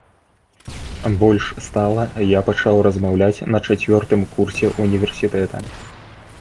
Больш стала я пачаў размаўляць на чацвёртым курсе ўніверсітэта.